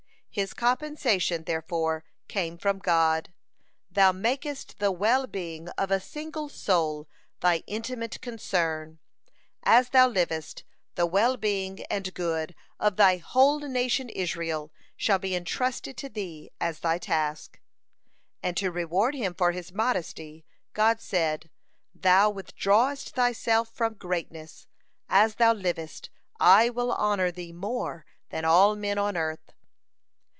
His compensation therefore came from God: "Thou makest the well being of a single soul they intimate concern. As thou livest, the well being and good of thy whole nation Israel shall be entrusted to thee as thy task." (82) And to reward him for his modesty, God said: "Thou withdrawest thyself from greatness; as thou livest, I will honor thee more than all men on earth."